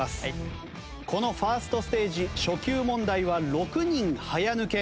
このファーストステージ初級問題は６人早抜け。